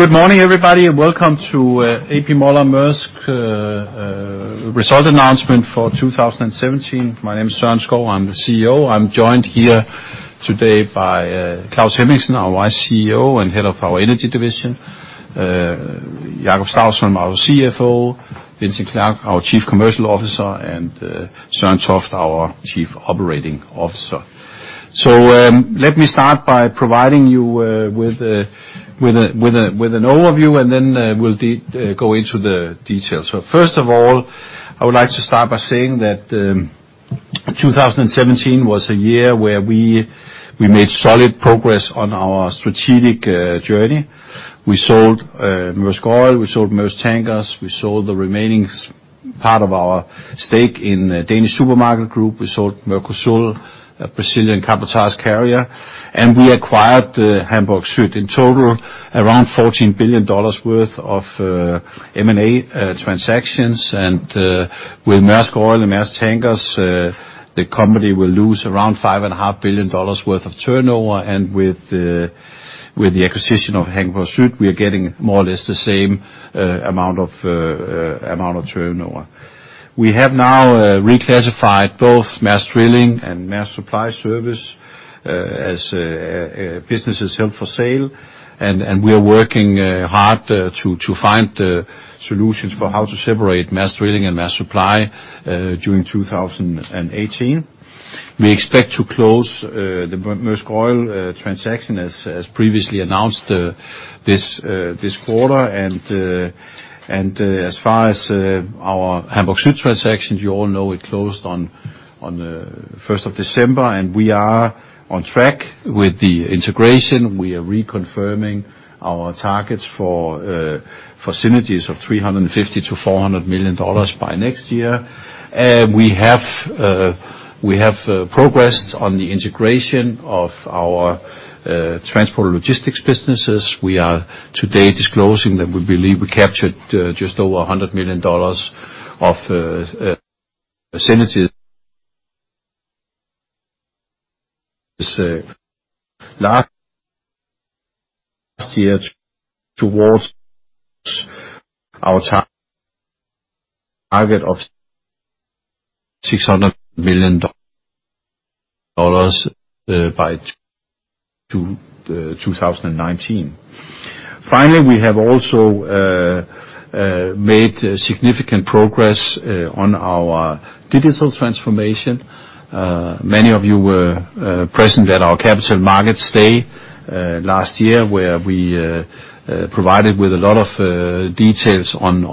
Good morning, everybody. Welcome to A.P. Møller - Mærsk results announcement for 2017. My name is Søren Skou. I'm the CEO. I'm joined here today by Claus Hemmingsen, our Vice CEO and head of our Energy division, Jakob Stausholm, our CFO, Vincent Clerc, our chief commercial officer, and Søren Toft, our chief operating officer. Let me start by providing you with an overview, and then we'll go into the details. First of all, I would like to start by saying that 2017 was a year where we made solid progress on our strategic journey. We sold Maersk Oil. We sold Maersk Tankers. We sold the remaining part of our stake in Dansk Supermarked Group. We sold Mercosul, a Brazilian domestic carrier, and we acquired Hamburg Süd. In total, around $14 billion worth of M&A transactions. With Maersk Oil and Maersk Tankers, the company will lose around 5 and a half billion dollars worth of turnover. With the acquisition of Hamburg Süd, we are getting more or less the same amount of turnover. We have now reclassified both Maersk Drilling and Maersk Supply Service as businesses held for sale. We are working hard to find solutions for how to separate Maersk Drilling and Maersk Supply during 2018. We expect to close the Maersk Oil transaction as previously announced this quarter. As far as our Hamburg Süd transaction, you all know it closed on 1st of December, and we are on track with the integration. We are reconfirming our targets for synergies of $350 million-$400 million by next year. We have progressed on the integration of our transport and logistics businesses. We are today disclosing that we believe we captured just over $100 million of synergies last year towards our target of $600 million by 2019. Finally, we have also made significant progress on our digital transformation. Many of you were present at our Capital Markets Day last year, where we provided with a lot of details on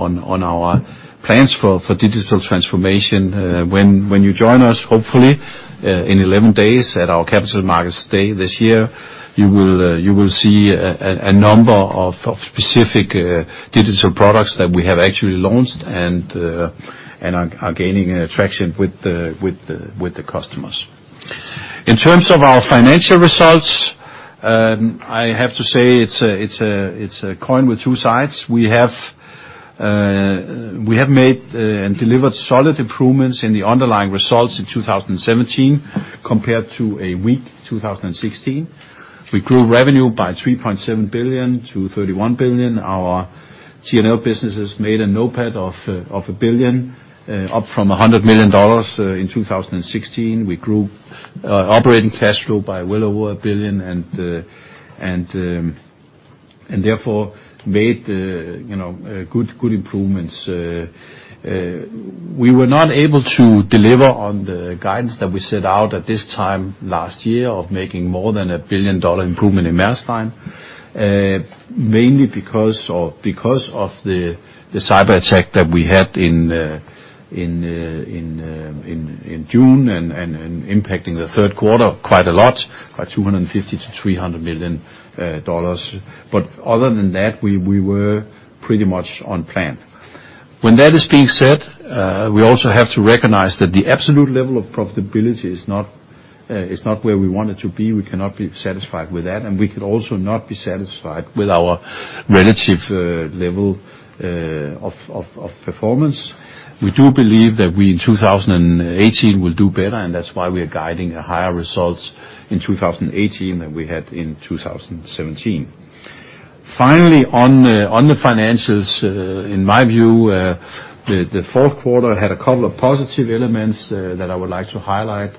our plans for digital transformation. When you join us, hopefully, in 11 days at our Capital Markets Day this year, you will see a number of specific digital products that we have actually launched and are gaining traction with the customers. In terms of our financial results, I have to say it's a coin with two sides. We have made and delivered solid improvements in the underlying results in 2017 compared to a weak 2016. We grew revenue by $3.7 billion to $31 billion. Our T&L businesses made a NOPAT of $1 billion, up from $100 million in 2016. We grew operating cash flow by well over $1 billion and therefore made you know good improvements. We were not able to deliver on the guidance that we set out at this time last year of making more than a $1 billion improvement in Maersk Line. Mainly because of the cyberattack that we had in June and impacting the third quarter quite a lot, by $250 million-$300 million. Other than that, we were pretty much on plan. When that is being said, we also have to recognize that the absolute level of profitability is not where we want it to be. We cannot be satisfied with that, and we could also not be satisfied with our relative level of performance. We do believe that we in 2018 will do better, and that's why we are guiding higher results in 2018 than we had in 2017. Finally, on the financials, in my view, the fourth quarter had a couple of positive elements that I would like to highlight.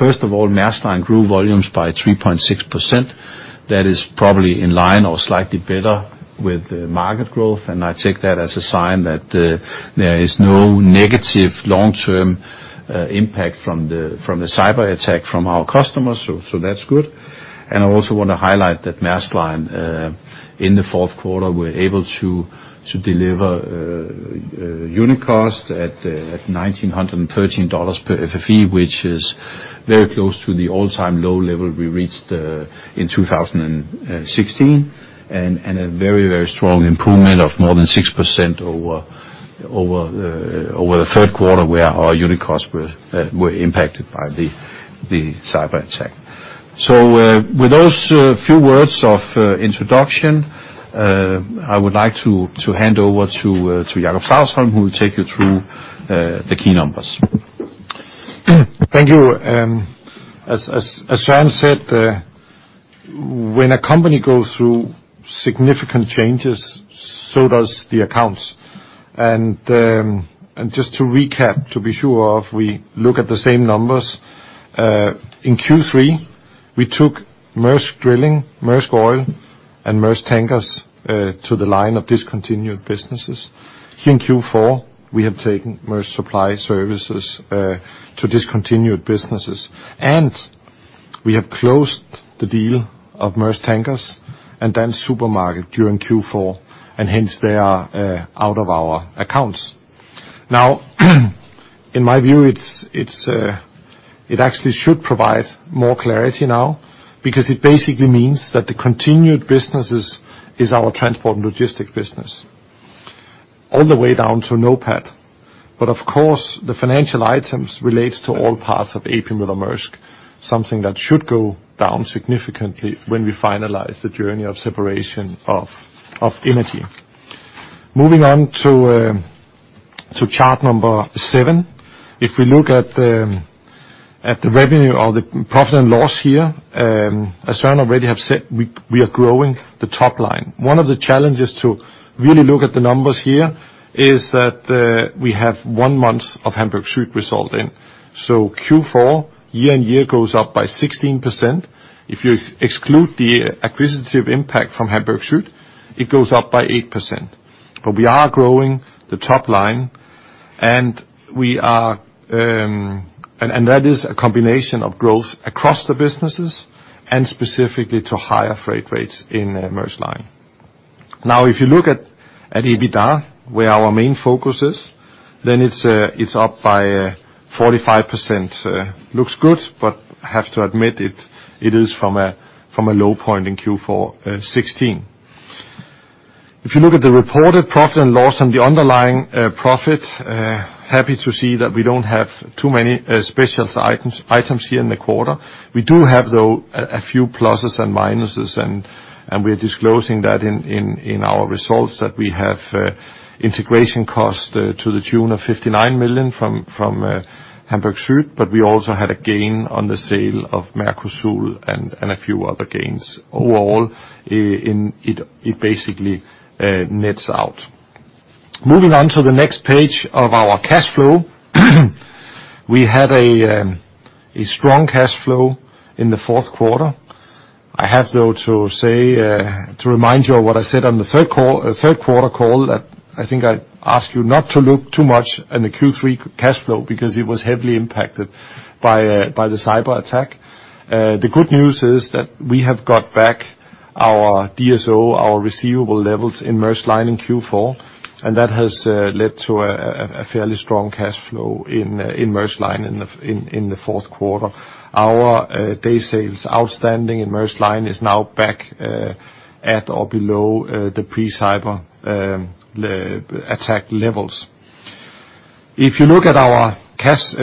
First of all, Maersk Line grew volumes by 3.6%. That is probably in line or slightly better with the market growth. I take that as a sign that there is no negative long-term impact from the cyberattack from our customers, so that's good. I also want to highlight that Maersk Line in the fourth quarter, we were able to deliver unit cost at $1,913 per FFE, which is very close to the all-time low level we reached in 2016. A very strong improvement of more than 6% over the third quarter, where our unit costs were impacted by the cyberattack. With those few words of introduction, I would like to hand over to Jakob Stausholm, who will take you through the key numbers. Thank you. As Søren said, when a company goes through significant changes, so does the accounts. Just to recap, to be sure we look at the same numbers. In Q3, we took Maersk Drilling, Maersk Oil, and Maersk Tankers to the line of discontinued businesses. Here in Q4, we have taken Maersk Supply Service to discontinued businesses. We have closed the deal of Maersk Tankers and Dansk Supermarked during Q4, and hence, they are out of our accounts. Now in my view, it actually should provide more clarity now because it basically means that the continued businesses is our transport and logistic business, all the way down to NOPAT. Of course, the financial items relates to all parts of A.P. A.P. Møller - Mærsk, something that should go down significantly when we finalize the journey of separation of Energy. Moving on to chart number seven. If we look at the revenue or the profit and loss here, as Søren already have said, we are growing the top line. One of the challenges to really look at the numbers here is that we have one month of Hamburg Süd result in. Q4 year-on-year goes up by 16%. If you exclude the acquisitive impact from Hamburg Süd, it goes up by 8%. We are growing the top line, and we are. That is a combination of growth across the businesses and specifically to higher freight rates in Maersk Line. Now, if you look at EBITDA, where our main focus is, then it's up by 45%. Looks good, but have to admit it is from a low point in Q4 2016. If you look at the reported profit and loss and the underlying profit, happy to see that we don't have too many special items here in the quarter. We do have, though, a few pluses and minuses and we're disclosing that in our results that we have integration costs to the tune of $59 million from Hamburg Süd, but we also had a gain on the sale of Mercosul and a few other gains. Overall, it basically nets out. Moving on to the next page of our cash flow. We had a strong cash flow in the fourth quarter. I have, though, to say to remind you of what I said on the third call, third quarter call that I think I asked you not to look too much into the Q3 cash flow because it was heavily impacted by the cyberattack. The good news is that we have got back our DSO, our receivable levels in Maersk Line in Q4, and that has led to a fairly strong cash flow in Maersk Line in the fourth quarter. Our day sales outstanding in Maersk Line is now back at or below the pre-cyber attack levels. If you look at our cash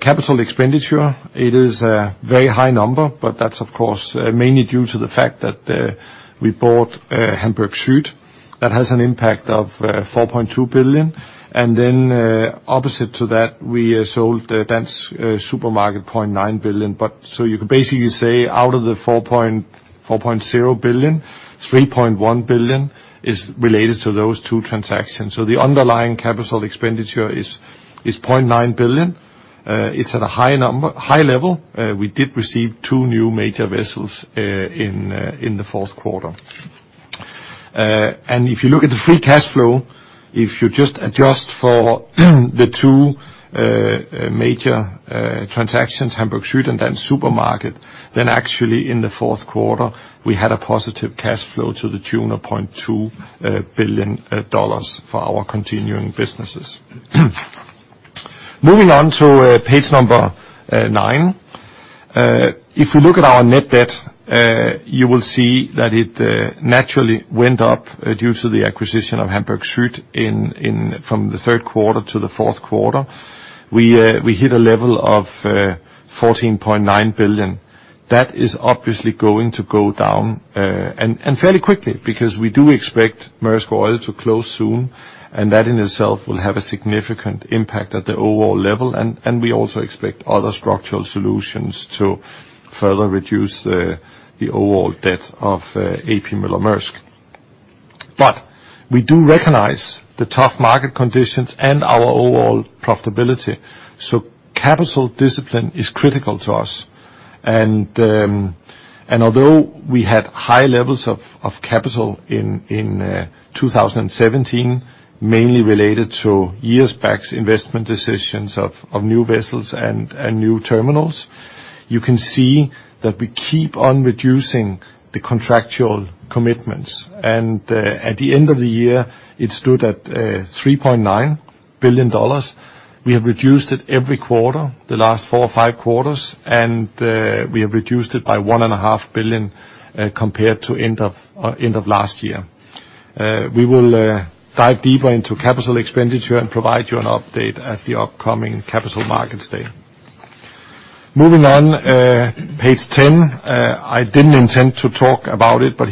capital expenditure, it is a very high number, but that's of course mainly due to the fact that we bought Hamburg Süd. That has an impact of $4.2 billion. Then opposite to that, we sold Dansk Supermarked $0.9 billion. You can basically say out of the $4.4 billion, $3.1 billion is related to those two transactions. The underlying capital expenditure is $0.9 billion. It's at a high number, high level. We did receive two new major vessels in the fourth quarter. If you look at the free cash flow, if you just adjust for the two major transactions, Hamburg Süd and Dansk Supermarked, then actually in the fourth quarter, we had a positive cash flow to the tune of $0.2 billion for our continuing businesses. Moving on to page number nine. If we look at our net debt, you will see that it naturally went up due to the acquisition of Hamburg Süd from the third quarter to the fourth quarter. We hit a level of $14.9 billion. That is obviously going to go down and fairly quickly because we do expect Maersk Oil to close soon, and that in itself will have a significant impact at the overall level. We also expect other structural solutions to further reduce the overall debt of A.P. Møller - Mærsk. We do recognize the tough market conditions and our overall profitability, so capital discipline is critical to us. Although we had high levels of CapEx in 2017, mainly related to years back's investment decisions of new vessels and new terminals, you can see that we keep on reducing the contractual commitments. At the end of the year, it stood at $3.9 billion. We have reduced it every quarter, the last four or five quarters, and we have reduced it by $1.5 billion compared to end of last year. We will dive deeper into capital expenditure and provide you an update at the upcoming Capital Markets Day. Moving on, page 10. I didn't intend to talk about it, but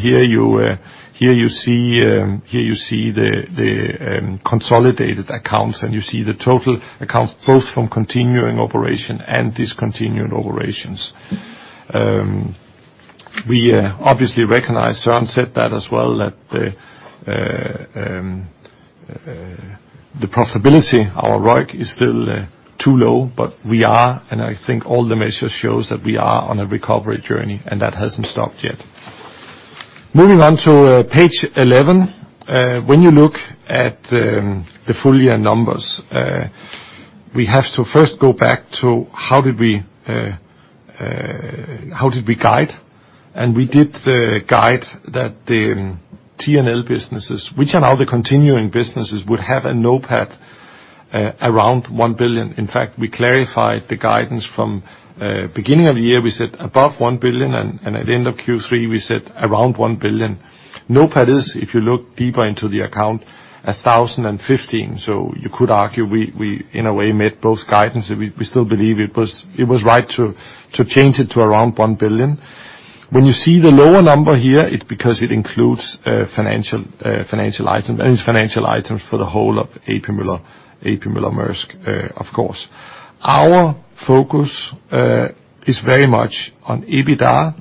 here you see the consolidated accounts and you see the total accounts both from continuing operation and discontinued operations. We obviously recognize, Søren said that as well, that the profitability, our ROIC is still too low, but we are, and I think all the measures shows that we are on a recovery journey, and that hasn't stopped yet. Moving on to page 11. When you look at the full year numbers, we have to first go back to how did we guide? We did guide that the T&L businesses, which are now the continuing businesses, would have a NOPAT around $1 billion. In fact, we clarified the guidance from beginning of the year, we said above $1 billion, and at the end of Q3, we said around $1 billion. NOPAT is, if you look deeper into the account, $1,015. You could argue we in a way met both guidance. We still believe it was right to change it to around $1 billion. When you see the lower number here, it's because it includes financial items, and it's financial items for the whole of A.P. Møller - Mærsk, of course. Our focus is very much on EBITDA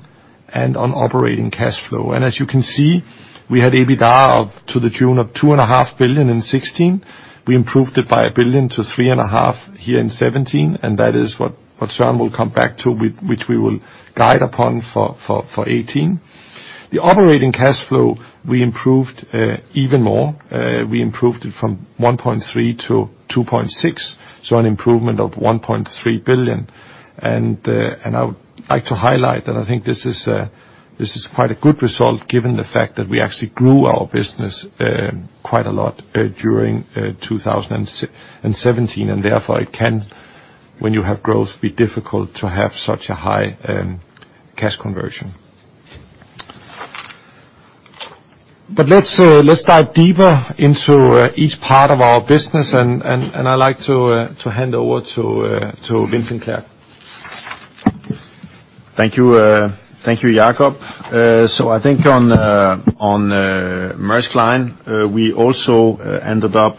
and on operating cash flow. As you can see, we had EBITDA up to the tune of $2.5 billion in 2016. We improved it by 1 billion to $3.5 billion here in 2017, and that is what Søren will come back to, which we will guide upon for 2018. The operating cash flow, we improved even more. We improved it from 1.3 to 2.6, so an improvement of $1.3 billion. I would like to highlight that I think this is quite a good result given the fact that we actually grew our business quite a lot during 2017, and therefore it can, when you have growth, be difficult to have such a high cash conversion. Let's dive deeper into each part of our business and I'd like to hand over to Vincent Clerc. Thank you, Jakob. I think on Maersk Line, we also ended up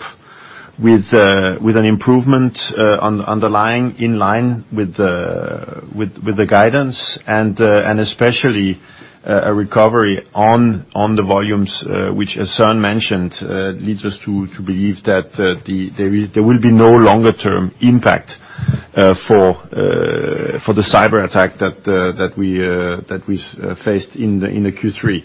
with an improvement on the underlying, in line with the guidance and especially a recovery on the volumes, which as Søren mentioned, leads us to believe that there will be no longer term impact for the cyberattack that we faced in the Q3.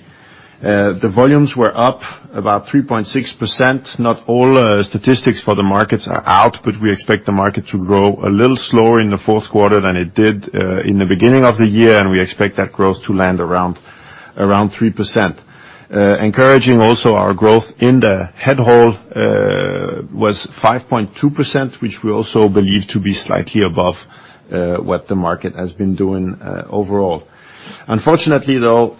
The volumes were up about 3.6%. Not all statistics for the markets are out, but we expect the market to grow a little slower in the fourth quarter than it did in the beginning of the year, and we expect that growth to land around 3%. Encouraging also our growth in the head haul was 5.2%, which we also believe to be slightly above what the market has been doing overall. Unfortunately, though,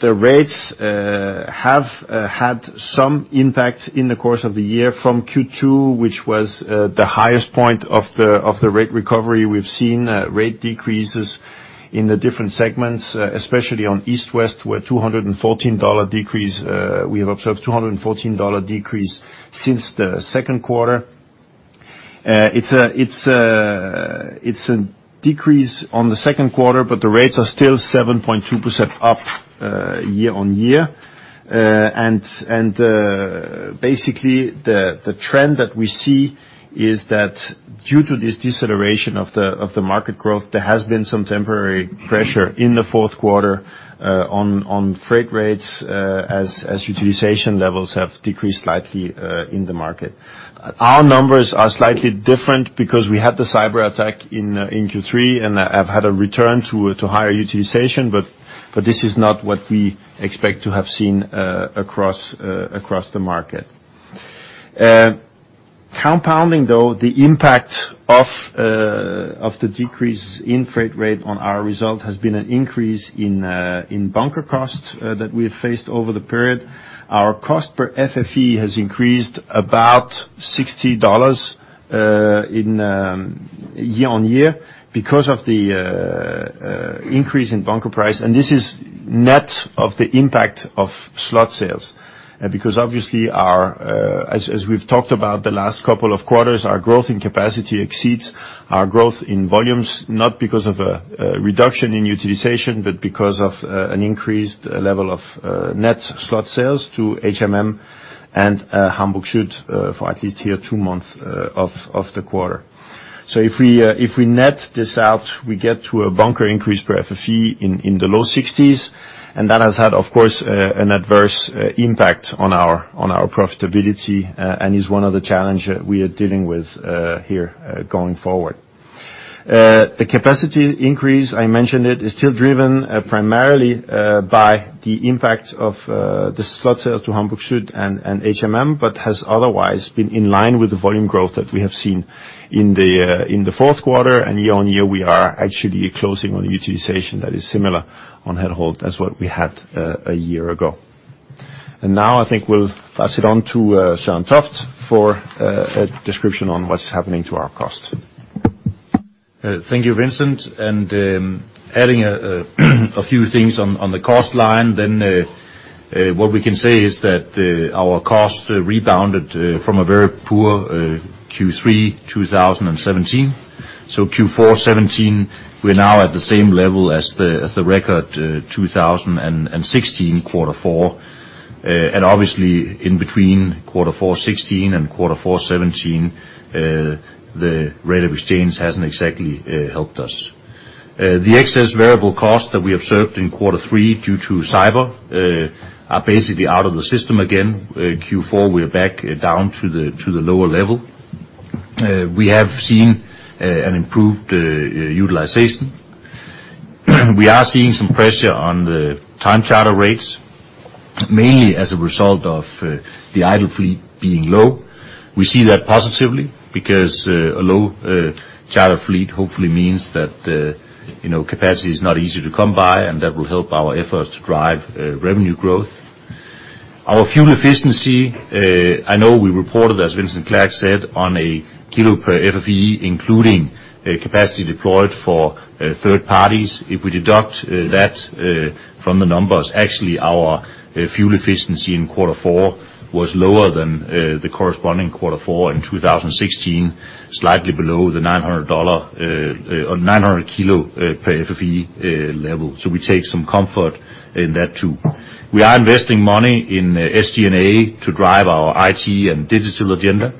the rates have had some impact in the course of the year from Q2, which was the highest point of the rate recovery. We've seen rate decreases in the different segments, especially on East-West, where we have observed a $214 decrease since the second quarter. It's a decrease on the second quarter, but the rates are still 7.2% up year-over-year. Basically, the trend that we see is that due to this deceleration of the market growth, there has been some temporary pressure in the fourth quarter on freight rates as utilization levels have decreased slightly in the market. Our numbers are slightly different because we had the cyberattack in Q3 and have had a return to higher utilization, but this is not what we expect to have seen across the market. Compounding though, the impact of the decrease in freight rate on our result has been an increase in bunker costs that we have faced over the period. Our cost per FFE has increased about $60 year-on-year because of the increase in bunker price, and this is net of the impact of slot sales. Obviously, as we've talked about the last couple of quarters, our growth in capacity exceeds our growth in volumes, not because of a reduction in utilization, but because of an increased level of net slot sales to HMM and Hamburg Süd for at least the 2 months of the quarter. If we net this out, we get to a bunker increase per FFE in the low $60s, and that has had, of course, an adverse impact on our profitability and is one of the challenges we are dealing with here going forward. The capacity increase, I mentioned it, is still driven primarily by the impact of the slot sales to Hamburg Süd and HMM, but has otherwise been in line with the volume growth that we have seen in the fourth quarter. Year-on-year, we are actually closing on utilization that is similar on headhaul as what we had a year ago. Now I think we'll pass it on to Søren Toft for a description on what's happening to our costs. Thank you, Vincent. Adding a few things on the cost line, then what we can say is that our costs rebounded from a very poor Q3 2017. Q4 2017, we're now at the same level as the record 2016 quarter four. Obviously in between quarter four 2016 and quarter four 2017, the rate of exchange hasn't exactly helped us. The excess variable costs that we observed in quarter three due to cyber are basically out of the system again. Q4, we are back down to the lower level. We have seen an improved utilization. We are seeing some pressure on the time charter rates, mainly as a result of the idle fleet being low. We see that positively because a low charter fleet hopefully means that you know capacity is not easy to come by and that will help our efforts to drive revenue growth. Our fuel efficiency I know we reported as Vincent Clerc said on a kilo per FFE including capacity deployed for third parties. If we deduct that from the numbers actually our fuel efficiency in quarter four was lower than the corresponding quarter four in 2016 slightly below the 900 kilo per FFE level. We take some comfort in that too. We are investing money in SG&A to drive our IT and digital agenda,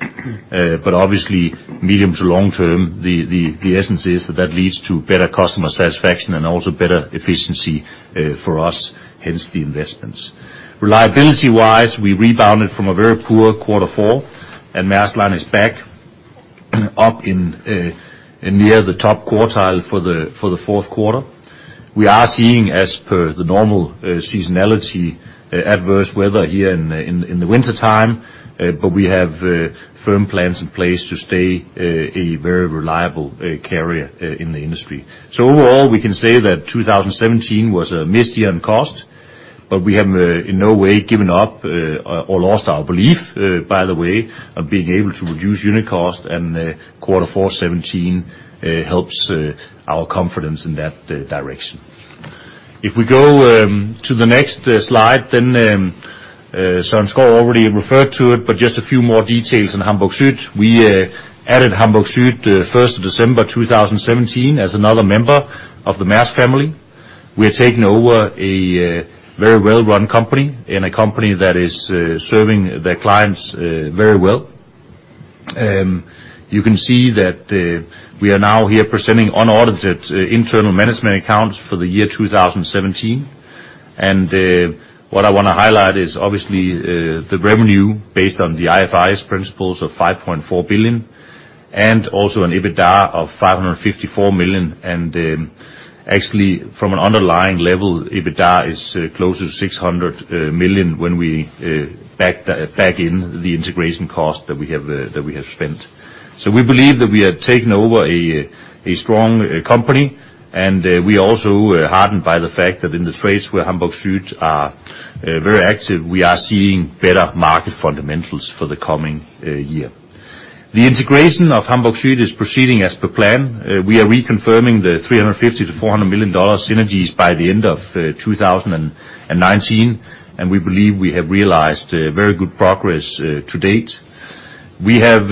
but obviously medium to long term, the essence is that that leads to better customer satisfaction and also better efficiency, for us, hence the investments. Reliability-wise, we rebounded from a very poor quarter four, and Maersk Line is back up in near the top quartile for the fourth quarter. We are seeing, as per the normal, seasonality, adverse weather here in the wintertime, but we have firm plans in place to stay a very reliable carrier in the industry. Overall, we can say that 2017 was a missed year on cost, but we have in no way given up or lost our belief, by the way, of being able to reduce unit cost and quarter four 2017 helps our confidence in that direction. If we go to the next slide, then Søren Skou already referred to it, but just a few more details on Hamburg Süd. We added Hamburg Süd first of December 2017 as another member of the Maersk family. We are taking over a very well-run company and a company that is serving their clients very well. You can see that we are now here presenting unaudited internal management accounts for the year 2017. What I wanna highlight is obviously the revenue based on the IFRS principles of $5.4 billion and also an EBITDA of $554 million. Actually, from an underlying level, EBITDA is close to $600 million when we back in the integration cost that we have spent. We believe that we are taking over a strong company, and we also are heartened by the fact that in the trades where Hamburg Süd are very active, we are seeing better market fundamentals for the coming year. The integration of Hamburg Süd is proceeding as per plan. We are reconfirming the $350 million-$400 million synergies by the end of 2019, and we believe we have realized very good progress to date. We have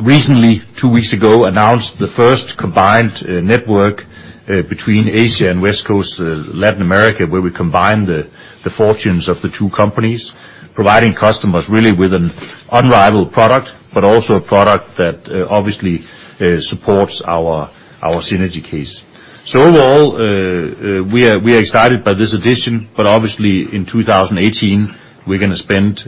recently, two weeks ago, announced the first combined network between Asia and West Coast Latin America, where we combine the fortunes of the two companies, providing customers really with an unrivaled product, but also a product that obviously supports our synergy case. Overall, we are excited by this addition, but obviously in 2018, we're gonna spend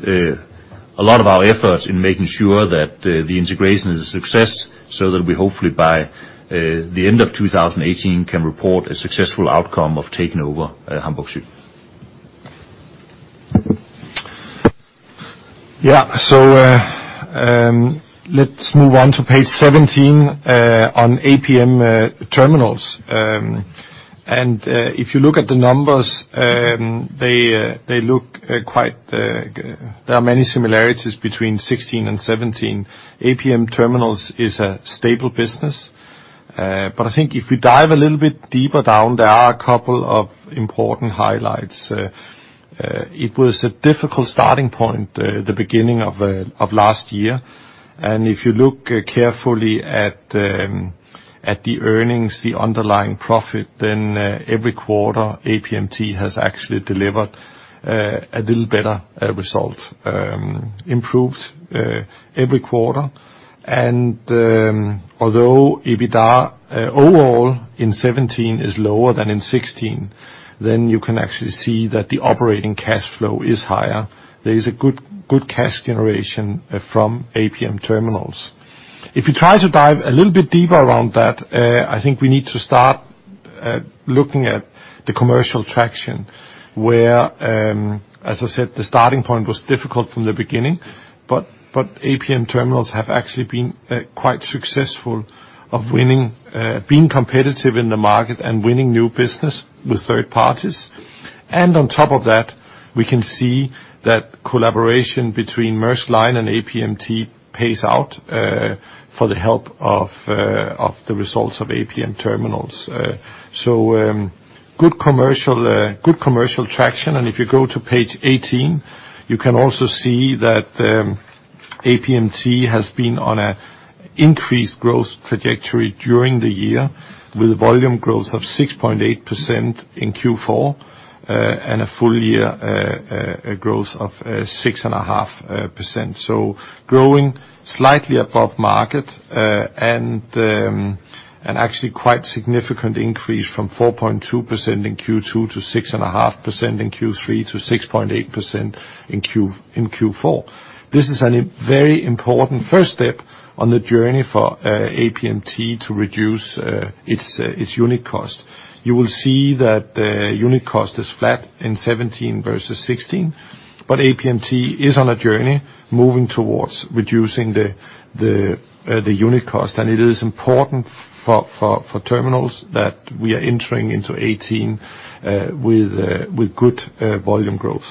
a lot of our efforts in making sure that the integration is a success so that we hopefully by the end of 2018 can report a successful outcome of taking over Hamburg Süd. Yeah, let's move on to page 17 on APM Terminals. If you look at the numbers, there are many similarities between 2016 and 2017. APM Terminals is a stable business. I think if we dive a little bit deeper down, there are a couple of important highlights. It was a difficult starting point, the beginning of last year. If you look carefully at the earnings, the underlying profit, then every quarter, APMT has actually delivered a little better result, improved every quarter. Although EBITDA overall in 2017 is lower than in 2016, then you can actually see that the operating cash flow is higher. There is a good cash generation from APM Terminals. If you try to dive a little bit deeper around that, I think we need to start looking at the commercial traction, where, as I said, the starting point was difficult from the beginning, but APM Terminals have actually been quite successful of winning, being competitive in the market and winning new business with third parties. On top of that, we can see that collaboration between Maersk Line and APMT pays off in the form of the results of APM Terminals. Good commercial traction. If you go to page 18, you can also see that APMT has been on an increased growth trajectory during the year, with volume growth of 6.8% in Q4 and a full year growth of 6.5%. Growing slightly above market and actually quite significant increase from 4.2% in Q2 to 6.5% in Q3 to 6.8% in Q4. This is a very important first step on the journey for APMT to reduce its unit cost. You will see that the unit cost is flat in 2017 versus 2016, but APMT is on a journey moving towards reducing the unit cost. It is important for terminals that we are entering into 2018 with good volume growth.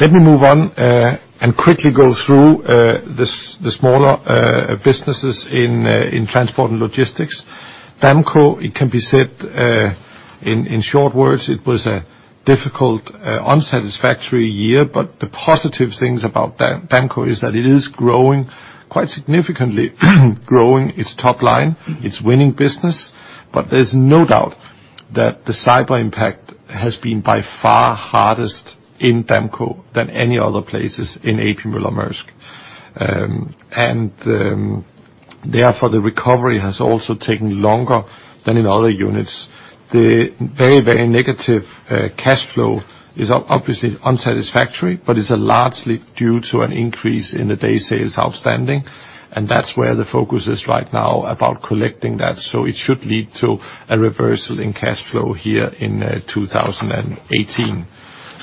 Let me move on and quickly go through the smaller businesses in Transport and Logistics. Damco, it can be said, in short words, it was a difficult, unsatisfactory year, but the positive things about Damco is that it is growing quite significantly, growing its top line. It's winning business. But there's no doubt that the cyber impact has been by far hardest in Damco than any other places in A.P. Møller - Mærsk. Therefore, the recovery has also taken longer than in other units. The very, very negative cash flow is obviously unsatisfactory, but is largely due to an increase in the days' sales outstanding. That's where the focus is right now about collecting that. It should lead to a reversal in cash flow here in 2018.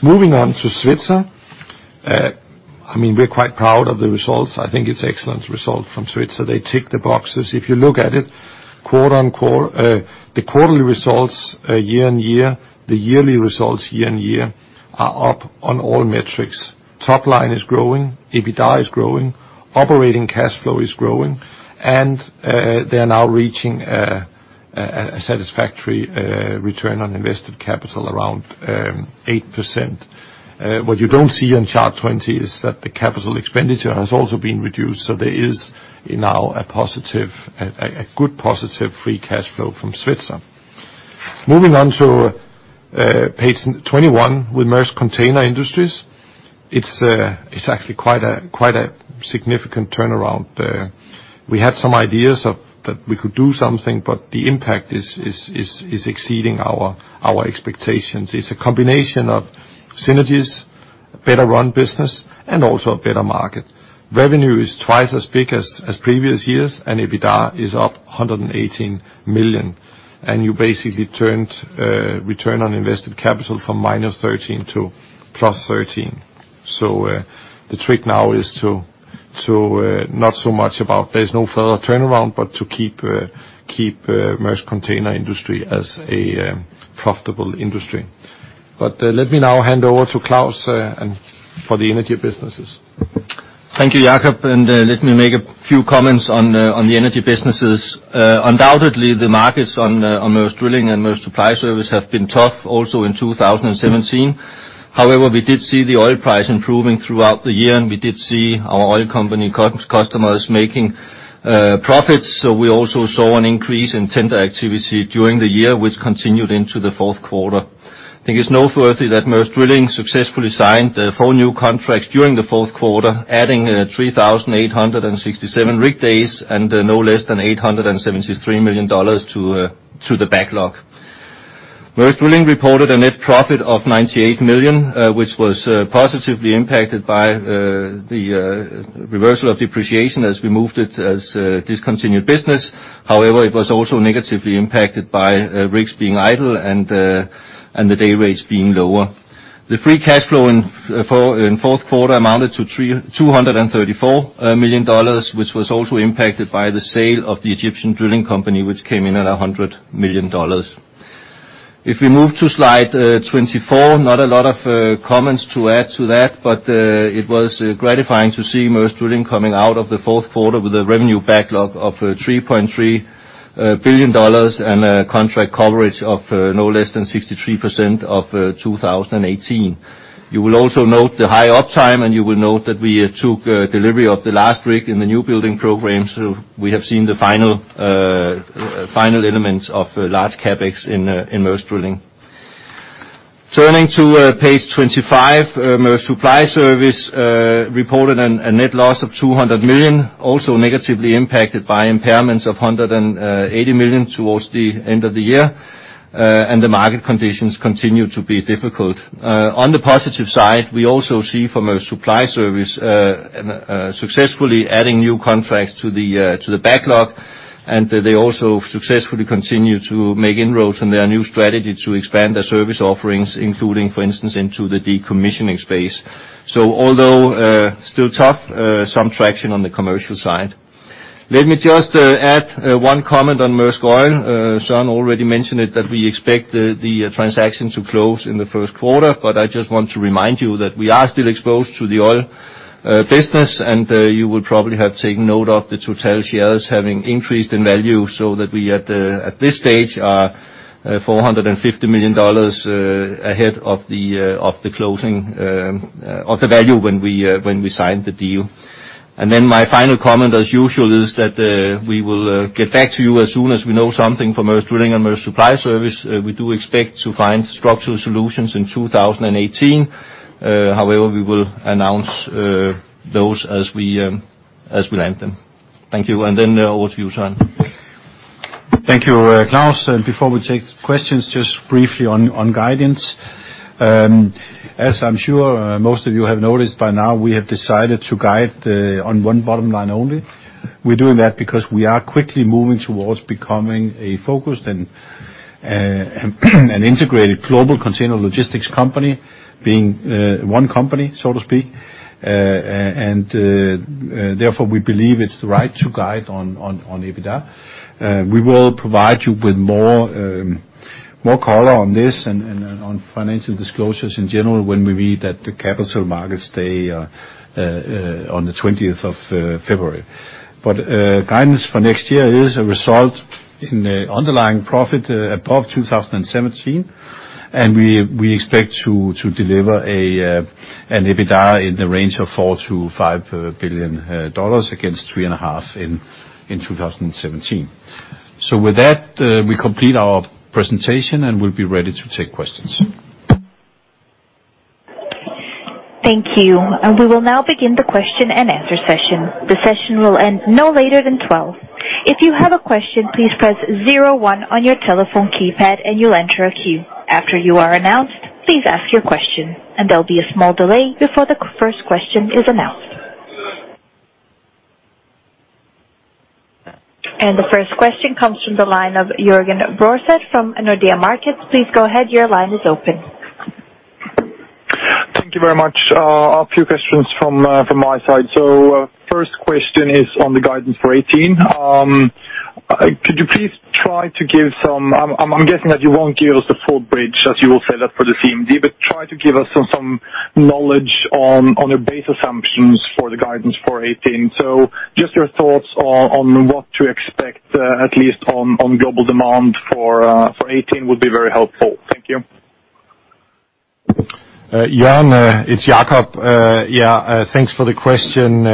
Moving on to Svitzer. I mean, we're quite proud of the results. I think it's excellent result from Svitzer. They tick the boxes. If you look at it, the quarterly results year-over-year, the yearly results year-over-year are up on all metrics. Top line is growing, EBITDA is growing, operating cash flow is growing, and they are now reaching a satisfactory return on invested capital around 8%. What you don't see on chart 20 is that the capital expenditure has also been reduced, so there is now a good positive free cash flow from Svitzer. Moving on to page 21 with Maersk Container Industry, it's actually quite a significant turnaround there. We had some ideas of that we could do something, but the impact is exceeding our expectations. It's a combination of synergies, better run business, and also a better market. Revenue is twice as big as previous years, and EBITDA is up $118 million. You basically turned return on invested capital from -13% to +13%. The trick now is to not so much about there's no further turnaround, but to keep Maersk Container Industry as a profitable industry. Let me now hand over to Claus and for the energy businesses. Thank you, Jakob, let me make a few comments on the energy businesses. Undoubtedly, the markets on Maersk Drilling and Maersk Supply Service have been tough also in 2017. However, we did see the oil price improving throughout the year, and we did see our oil company customers making profits. We also saw an increase in tender activity during the year, which continued into the fourth quarter. I think it's noteworthy that Maersk Drilling successfully signed four new contracts during the fourth quarter, adding 3,867 rig days and no less than $873 million to the backlog. Maersk Drilling reported a net profit of $98 million, which was positively impacted by the reversal of depreciation as we moved it as discontinued business. However, it was also negatively impacted by rigs being idle and the day rates being lower. The free cash flow in fourth quarter amounted to $234 million, which was also impacted by the sale of the Egyptian Drilling Company, which came in at $100 million. If we move to slide 24, not a lot of comments to add to that, but it was gratifying to see Maersk Drilling coming out of the fourth quarter with a revenue backlog of $3.3 billion and a contract coverage of no less than 63% of 2018. You will also note the high uptime, and you will note that we took delivery of the last rig in the new building program, so we have seen the final elements of large CapEx in Maersk Drilling. Turning to page 25, Maersk Supply Service reported a net loss of $200 million, also negatively impacted by impairments of $180 million towards the end of the year. The market conditions continue to be difficult. On the positive side, we also see from Maersk Supply Service successfully adding new contracts to the backlog, and they also successfully continue to make inroads in their new strategy to expand their service offerings, including, for instance, into the decommissioning space. Although still tough, some traction on the commercial side. Let me just add one comment on Maersk Oil. Søren already mentioned it, that we expect the transaction to close in the first quarter. I just want to remind you that we are still exposed to the oil business, and you will probably have taken note of the Total shares having increased in value so that we at this stage are $450 million ahead of the closing of the value when we signed the deal. Then my final comment, as usual, is that we will get back to you as soon as we know something from Maersk Drilling and Maersk Supply Service. We do expect to find structural solutions in 2018. However, we will announce those as we land them. Thank you, and then over to you, Søren. Thank you, Claus. Before we take questions, just briefly on guidance. As I'm sure most of you have noticed by now, we have decided to guide on one bottom line only. We're doing that because we are quickly moving towards becoming a focused and an integrated global container logistics company, being one company, so to speak. Therefore, we believe it's right to guide on EBITDA. We will provide you with more color on this and on financial disclosures in general when we meet at the Capital Markets Day on the twentieth of February. Guidance for next year is to result in the underlying profit above 2017, and we expect to deliver an EBITDA in the range of $4 billion-$5 billion against $3.5 billion in 2017. With that, we complete our presentation, and we'll be ready to take questions. Thank you. We will now begin the question and answer session. The session will end no later than twelve. If you have a question, please press zero one on your telephone keypad, and you'll enter a queue. After you are announced, please ask your question, and there'll be a small delay before the first question is announced. The first question comes from the line of Jørgen Bruaset from Nordea Markets. Please go ahead, your line is open. Thank you very much. A few questions from my side. First question is on the guidance for 2018. Could you please try to give us some knowledge on the base assumptions for the guidance for 2018. I'm guessing that you won't give us the full bridge, as you will say that for the CMD. Just your thoughts on what to expect, at least on global demand for 2018 would be very helpful. Thank you. Jørgen, it's Jakob. Yeah, thanks for the question.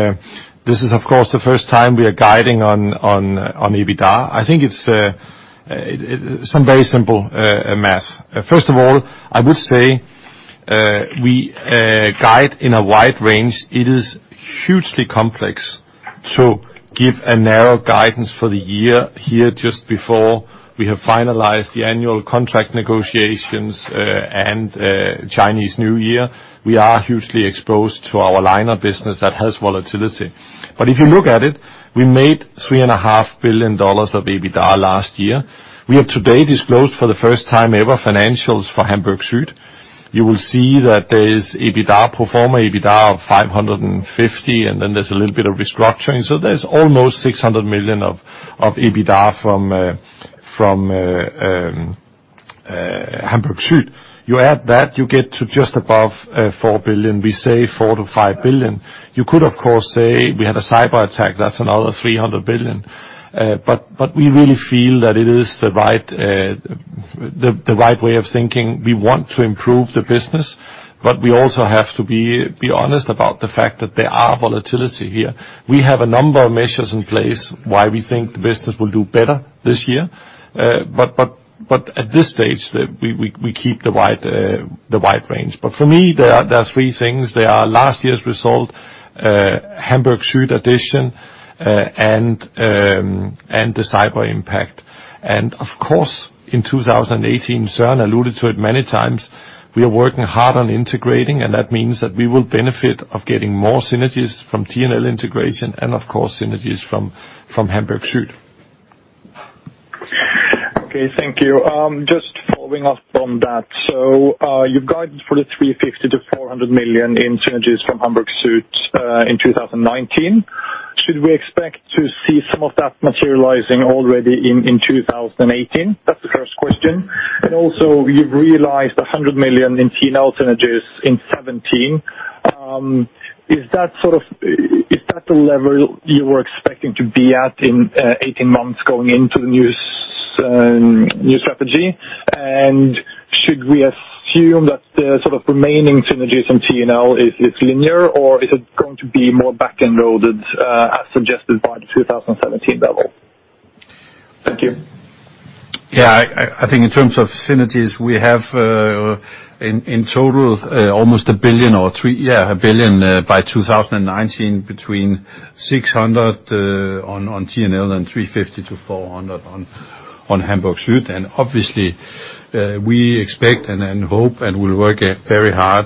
This is, of course, the first time we are guiding on EBITDA. I think it's some very simple math. First of all, I would say we guide in a wide range. It is hugely complex to give a narrow guidance for the year here just before we have finalized the annual contract negotiations and Chinese New Year. We are hugely exposed to our liner business that has volatility. If you look at it, we made three and a half billion dollars of EBITDA last year. We have today disclosed, for the first time ever, financials for Hamburg Süd. You will see that there is EBITDA, pro forma EBITDA of $550 million, and then there's a little bit of restructuring. There's almost $600 million of EBITDA from Hamburg Süd. You add that, you get to just above $4 billion. We say $4-$5 billion. You could, of course, say we had a cyberattack, that's another $300 billion. We really feel that it is the right way of thinking. We want to improve the business, but we also have to be honest about the fact that there are volatility here. We have a number of measures in place why we think the business will do better this year. At this stage, we keep the wide range. For me, there are three things. There are last year's result, Hamburg Süd addition, and the cyber impact. Of course, in 2018, Søren alluded to it many times, we are working hard on integrating, and that means that we will benefit of getting more synergies from T&L integration and of course, synergies from Hamburg Süd. Okay, thank you. Just following up on that. You've guided for the $350 million-$400 million in synergies from Hamburg Süd in 2019. Should we expect to see some of that materializing already in 2018? That's the first question. Also, you've realized $100 million in T&L synergies in 2017. Is that sort of the level you were expecting to be at in 18 months going into the new strategy? Should we assume that the sort of remaining synergies from T&L is linear, or is it going to be more back-end loaded, as suggested by the 2017 level? Thank you. I think in terms of synergies, we have in total almost $1 billion or so, yeah, $1 billion by 2019 between $600 million on T&L and $350-$400 million on Hamburg Süd. Obviously, we expect and hope and will work very hard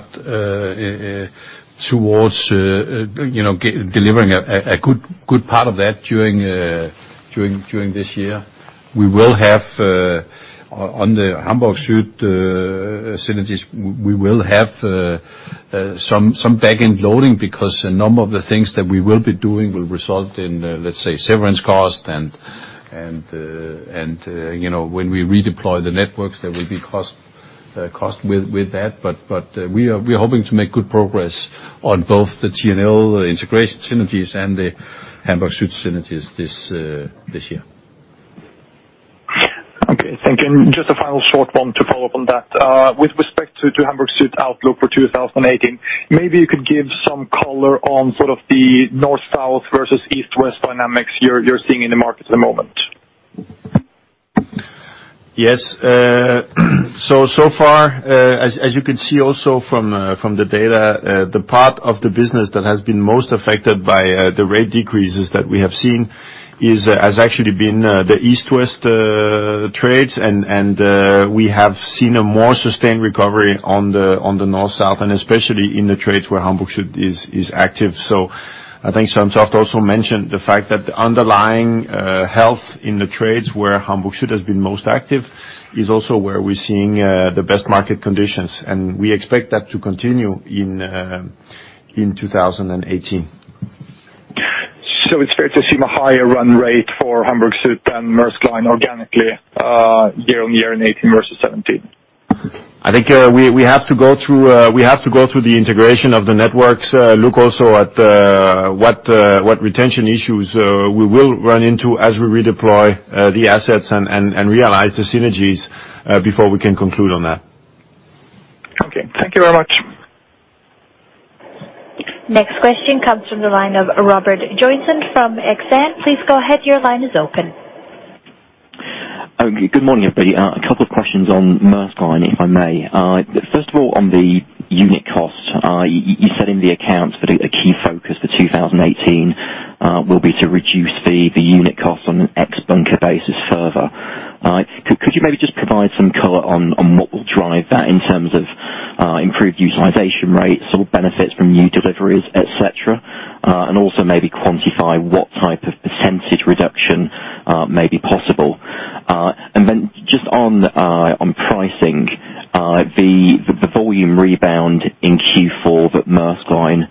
towards you know delivering a good part of that during this year. We will have on the Hamburg Süd synergies. We will have some back-end loading because a number of the things that we will be doing will result in, let's say, severance cost and you know, when we redeploy the networks, there will be cost with that. We are hoping to make good progress on both the T&L integration synergies and the Hamburg Süd synergies this year. Okay. Thank you. Just a final short one to follow up on that. With respect to Hamburg Süd outlook for 2018, maybe you could give some color on sort of the north-south versus east-west dynamics you're seeing in the market at the moment. Yes. So far, as you can see also from the data, the part of the business that has been most affected by the rate decreases that we have seen has actually been the east-west trades, and we have seen a more sustained recovery on the north-south, and especially in the trades where Hamburg Süd is active. I think Søren Toft also mentioned the fact that the underlying health in the trades where Hamburg Süd has been most active is also where we're seeing the best market conditions, and we expect that to continue in 2018. It's fair to assume a higher run rate for Hamburg Süd than Maersk Line organically, year-on-year in 2018 versus 2017? I think we have to go through the integration of the networks, look also at what retention issues we will run into as we redeploy the assets and realize the synergies before we can conclude on that. Okay. Thank you very much. Next question comes from the line of Robert Joynson from Exane. Please go ahead. Your line is open. Good morning, everybody. A couple of questions on Maersk Line, if I may. First of all, on the unit cost, you said in the accounts that a key focus for 2018 will be to reduce the unit cost on an ex bunker basis further. Could you maybe just provide some color on what will drive that in terms of improved utilization rates or benefits from new deliveries, et cetera, and also maybe quantify what type of percentage reduction may be possible? And then just on pricing, the volume rebound in Q4 that Maersk Line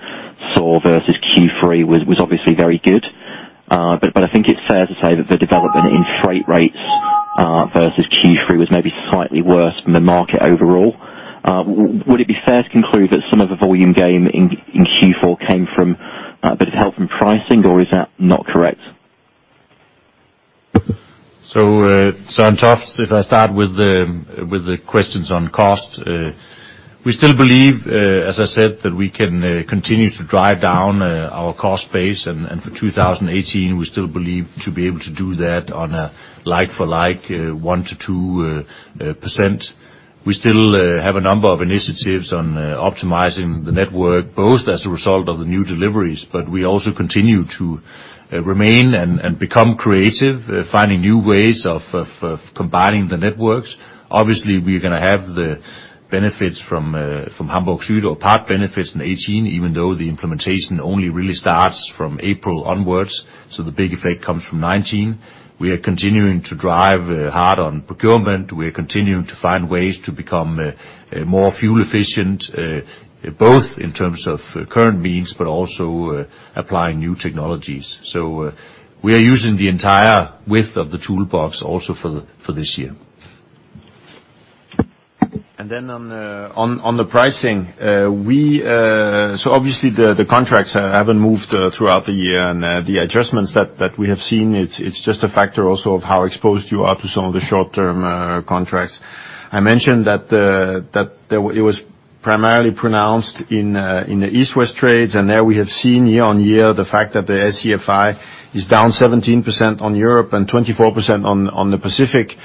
saw versus Q3 was obviously very good. I think it's fair to say that the development in freight rates versus Q3 was maybe slightly worse than the market overall. Would it be fair to conclude that some of the volume gain in Q4 came from a bit of help from pricing, or is that not correct? Søren Toft, if I start with the questions on cost. We still believe, as I said, that we can continue to drive down our cost base. For 2018, we still believe to be able to do that on a like-for-like 1%-2%. We still have a number of initiatives on optimizing the network, both as a result of the new deliveries, but we also continue to remain and become creative finding new ways of combining the networks. Obviously, we're gonna have the benefits from Hamburg Süd, or part benefits in 2018, even though the implementation only really starts from April onwards, so the big effect comes from 2019. We are continuing to drive hard on procurement. We are continuing to find ways to become more fuel efficient, both in terms of current means, but also applying new technologies. We are using the entire width of the toolbox also for this year. On the pricing, we obviously the contracts haven't moved throughout the year, and the adjustments that we have seen it's just a factor also of how exposed you are to some of the short-term contracts. I mentioned that. It was primarily pronounced in the East-West trades, and there we have seen year-on-year the fact that the SCFI is down 17% on Europe and 24% on the Pacific.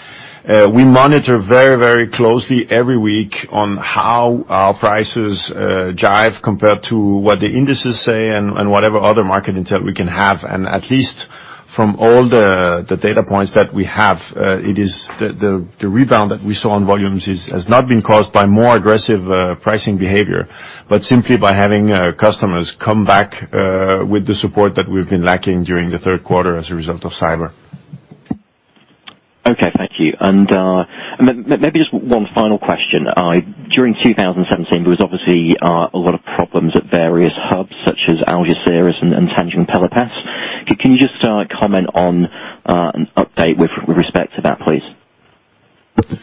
We monitor very closely every week on how our prices jibe compared to what the indices say and whatever other market intel we can have. At least from all the data points that we have, the rebound that we saw on volumes has not been caused by more aggressive pricing behavior, but simply by having customers come back with the support that we've been lacking during the third quarter as a result of cyber. Okay, thank you. Then maybe just one final question. During 2017, there was obviously a lot of problems at various hubs such as Algeciras and Tangier Med. Can you just comment on and update with respect to that, please? Yeah, this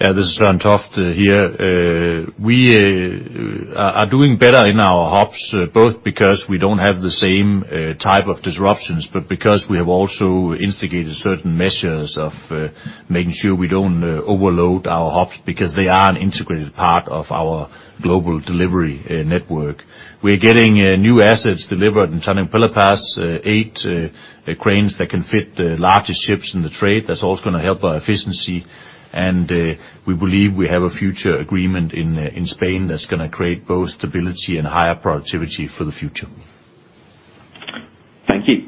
is Søren Toft here. We are doing better in our hubs, both because we don't have the same type of disruptions, but because we have also instigated certain measures of making sure we don't overload our hubs because they are an integrated part of our global delivery network. We're getting new assets delivered in Tanger Med, 8 cranes that can fit the largest ships in the trade. That's also gonna help our efficiency, and we believe we have a future agreement in Spain that's gonna create both stability and higher productivity for the future. Thank you.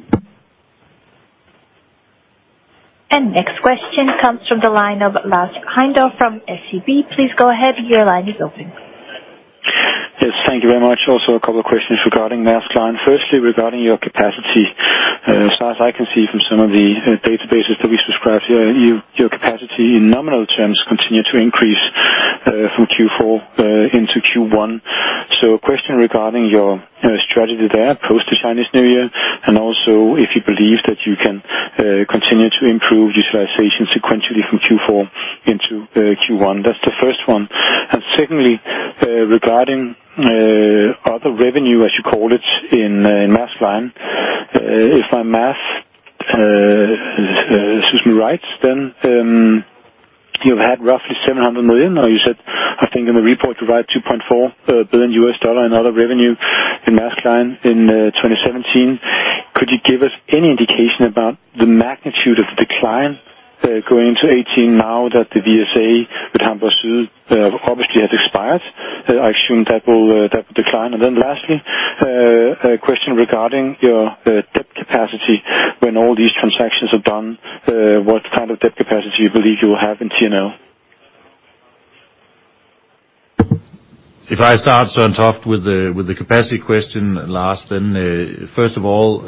Next question comes from the line of Lars Hyndorf from SEB. Please go ahead. Your line is open. Yes, thank you very much. Also a couple of questions regarding Maersk Line. Firstly, regarding your capacity. As far as I can see from some of the databases that we subscribe to, your capacity in nominal terms continue to increase from Q4 into Q1. Question regarding your, you know, strategy there post the Chinese New Year, and also if you believe that you can continue to improve utilization sequentially from Q4 into Q1. That's the first one. Secondly, regarding other revenue, as you call it, in Maersk Line. If my math serves me right, then you've had roughly $700 million, or you said, I think in the report you write $2.4 billion in other revenue in Maersk Line in 2017. Could you give us any indication about the magnitude of decline, going into 2018 now that the VSA with Hamburg Süd obviously has expired? I assume that will decline. Then lastly, a question regarding your debt capacity. When all these transactions are done, what kind of debt capacity you believe you will have in T&L? If I start, Søren Toft, with the capacity question last then. First of all,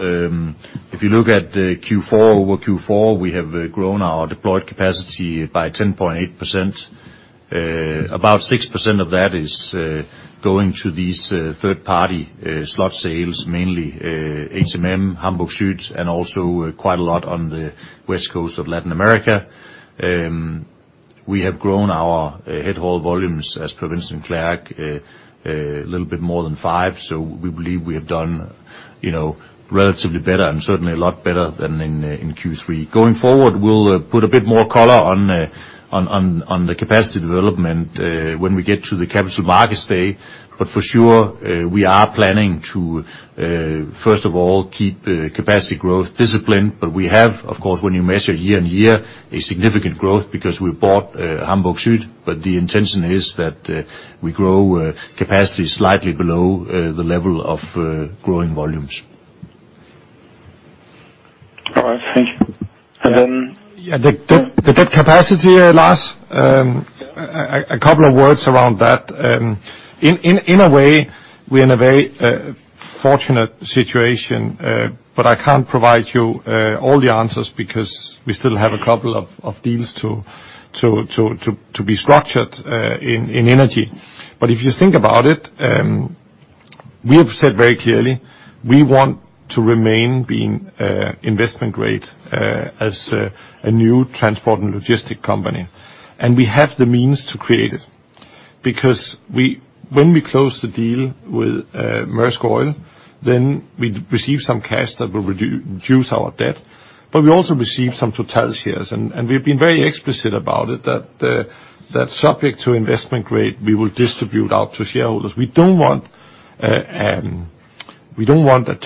if you look at Q4, over Q4 we have grown our deployed capacity by 10.8%. About 6% of that is going to these third party slot sales, mainly HMM, Hamburg Süd, and also quite a lot on the West Coast of Latin America. We have grown our head haul volumes as per Vincent Clerc a little bit more than 5%, so we believe we have done, you know, relatively better and certainly a lot better than in Q3. Going forward, we'll put a bit more color on the capacity development when we get to the capital markets day. For sure, we are planning to, first of all, keep capacity growth disciplined. We have, of course, when you measure year-on-year, a significant growth because we bought Hamburg Süd, but the intention is that we grow capacity slightly below the level of growing volumes. All right. Thank you. Yeah, the debt capacity, Lars, a couple of words around that. In a way, we're in a very fortunate situation, but I can't provide you all the answers because we still have a couple of deals to be structured in Energy. If you think about it, we have said very clearly we want to remain being investment grade as a new transport and logistics company. We have the means to create it because when we close the deal with Maersk Oil, then we receive some cash that will reduce our debt, but we also receive some Total shares. We've been very explicit about it that subject to investment grade, we will distribute out to shareholders. We don't want a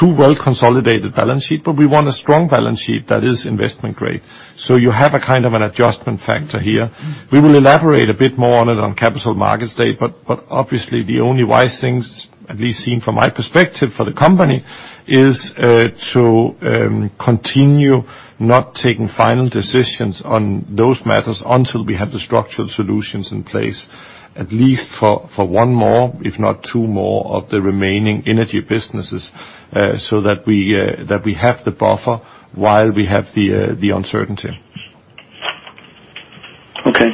too well-consolidated balance sheet, but we want a strong balance sheet that is investment grade. You have a kind of an adjustment factor here. We will elaborate a bit more on it on Capital Markets Day, but obviously the only wise things, at least seen from my perspective for the company, is to continue not taking final decisions on those matters until we have the structural solutions in place, at least for one more, if not two more, of the remaining energy businesses, so that we have the buffer while we have the uncertainty. Okay.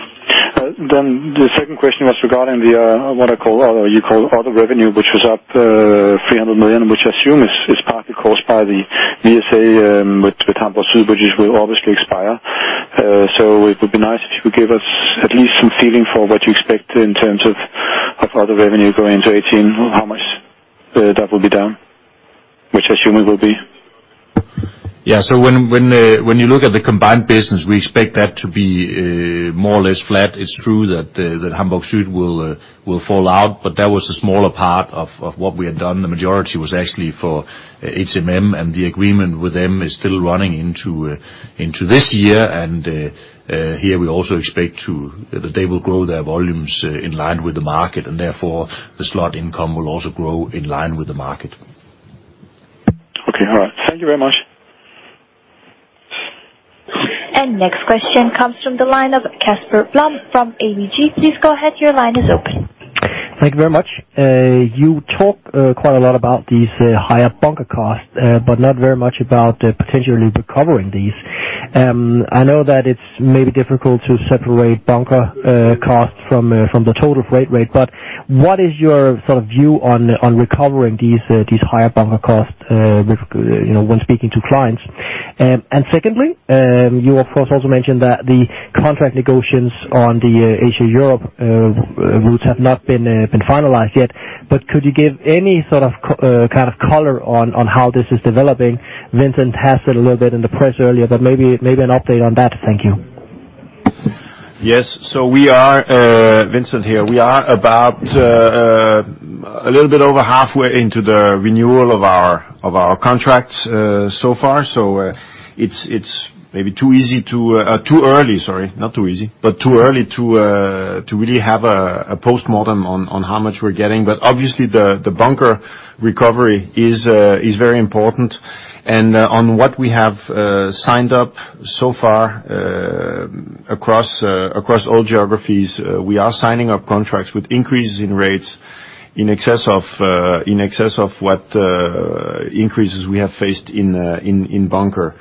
The second question was regarding the what I call, or you call other revenue, which was up $300 million, which I assume is partly caused by the VSA with Hamburg Süd which will obviously expire. It would be nice if you give us at least some feeling for what you expect in terms of other revenue going into 2018. How much that will be down, which I assume it will be. Yeah. When you look at the combined business, we expect that to be more or less flat. It's true that Hamburg Süd will fall out, but that was a smaller part of what we had done. The majority was actually for HMM, and the agreement with them is still running into this year. Here we also expect that they will grow their volumes in line with the market and therefore the slot income will also grow in line with the market. Okay. All right. Thank you very much. Next question comes from the line of Kasper Blom from ABG. Please go ahead, your line is open. Thank you very much. You talk quite a lot about these higher bunker costs, but not very much about potentially recovering these. I know that it's maybe difficult to separate bunker costs from the total freight rate, but what is your sort of view on recovering these higher bunker costs with, you know, when speaking to clients? Secondly, you of course also mentioned that the contract negotiations on the Asia-Europe routes have not been finalized yet, but could you give any sort of kind of color on how this is developing? Vincent has said a little bit in the press earlier, but maybe an update on that. Thank you. Yes. We are Vincent here. We are about a little bit over halfway into the renewal of our contracts so far. It's maybe too early, sorry, not too easy, but too early to really have a postmortem on how much we're getting. Obviously the bunker recovery is very important. On what we have signed up so far, across all geographies, we are signing up contracts with increases in rates. In excess of what increases we have faced in bunker.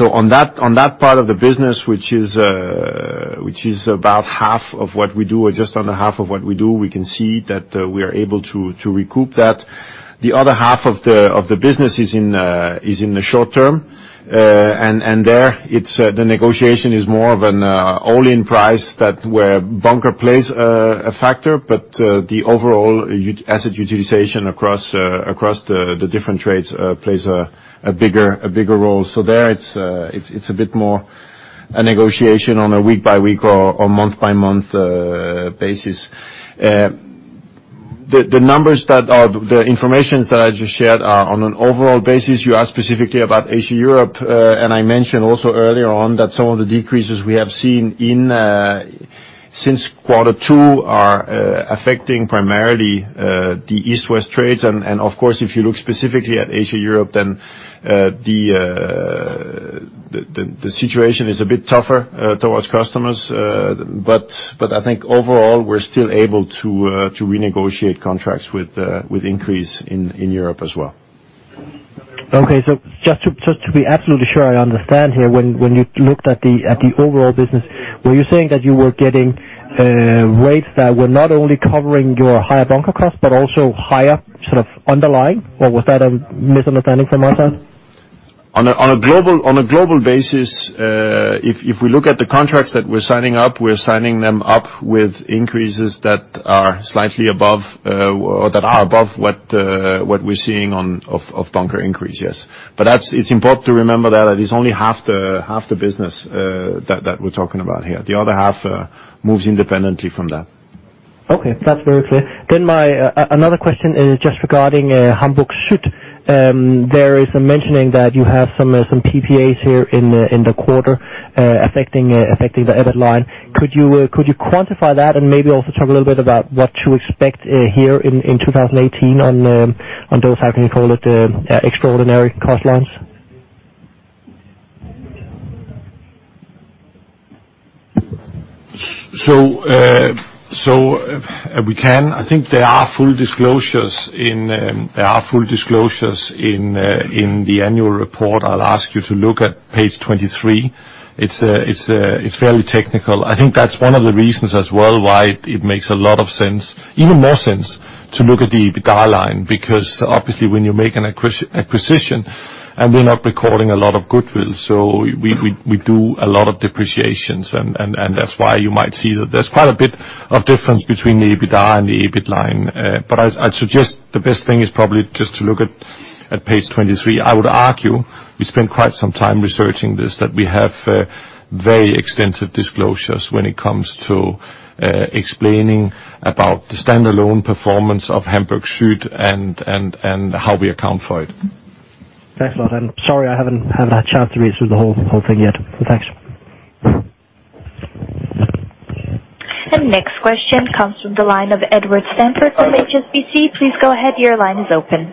On that part of the business, which is about half of what we do, or just under half of what we do, we can see that we are able to recoup that. The other half of the business is in the short term. There it's the negotiation is more of an all-in price where bunker plays a factor, but the overall asset utilization across the different trades plays a bigger role. There it's a bit more a negotiation on a week by week or month by month basis. The numbers that are. The information that I just shared are on an overall basis. You asked specifically about Asia Europe, and I mentioned also earlier on that some of the decreases we have seen since quarter two are affecting primarily the East West trades. Of course, if you look specifically at Asia Europe, then the situation is a bit tougher towards customers. I think overall, we're still able to renegotiate contracts with increase in Europe as well. Okay. Just to be absolutely sure I understand here, when you looked at the overall business, were you saying that you were getting rates that were not only covering your higher bunker costs but also higher sort of underlying, or was that a misunderstanding from our side? On a global basis, if we look at the contracts that we're signing up, we're signing them up with increases that are slightly above or that are above what we're seeing of bunker increase, yes. It's important to remember that it is only half the business that we're talking about here. The other half moves independently from that. Okay. That's very clear. My other question is just regarding Hamburg Süd. There is a mention that you have some PPAs here in the quarter affecting the EBIT line. Could you quantify that and maybe also talk a little bit about what to expect here in 2018 on those, how can you call it, extraordinary cost lines? I think there are full disclosures in the annual report. I'll ask you to look at page 23. It's fairly technical. I think that's one of the reasons as well, why it makes a lot of sense, even more sense to look at the EBITDA line. Because obviously when you make an acquisition, and we're not recording a lot of goodwill, so we do a lot of depreciations. That's why you might see that there's quite a bit of difference between the EBITDA and the EBIT line. I suggest the best thing is probably just to look at page 23. I would argue we spend quite some time researching this, that we have very extensive disclosures when it comes to explaining about the standalone performance of Hamburg Süd and how we account for it. Thanks a lot. Sorry, I haven't had a chance to read through the whole thing yet. Thanks. Next question comes from the line of Edward Stanford from HSBC. Please go ahead. Your line is open.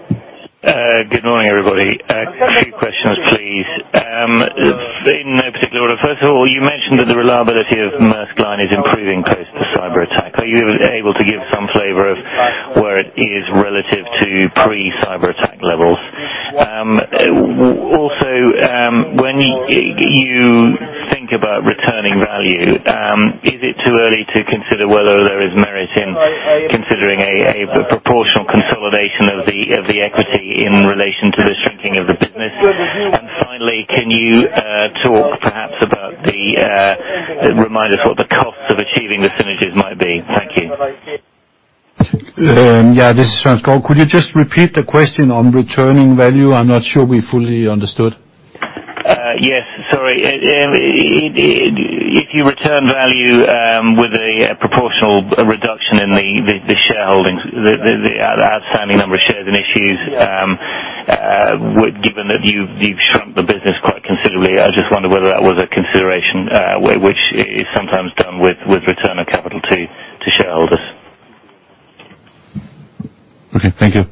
Good morning, everybody. Three questions, please. In no particular order. First of all, you mentioned that the reliability of Maersk Line is improving post the cyberattack. Are you able to give some flavor of where it is relative to pre-cyberattack levels? Well, also, when you think about returning value, is it too early to consider whether there is merit in considering a proportional consolidation of the equity in relation to the shrinking of the business? Finally, can you talk perhaps about remind us what the cost of achieving the synergies might be? Thank you. Yeah, this is Frans. Could you just repeat the question on returning value? I'm not sure we fully understood. Yes, sorry. If you return value with a proportional reduction in the shareholdings, the outstanding number of shares issued, given that you've shrunk the business quite considerably, I just wonder whether that was a consideration, which is sometimes done with return of capital to shareholders. Okay, thank you.